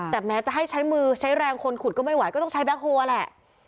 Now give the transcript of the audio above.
แต่แม้จะให้ใช้มือใช้แรงคนขุดก็ไม่ไหวก็ต้องใช้แบ็คโฮลแหละ